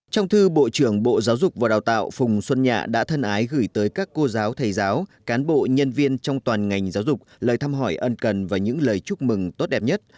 trong thư bộ trưởng bộ giáo dục và đào tạo phùng xuân nhạ đã thân ái gửi tới các cô giáo thầy giáo cán bộ nhân viên trong toàn ngành giáo dục lời thăm hỏi ân cần và những lời chúc mừng tốt đẹp nhất